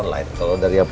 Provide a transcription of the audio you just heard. tidak ada apa apa